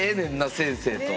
先生と。